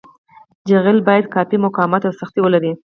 جغل باید کافي مقاومت او سختي ولري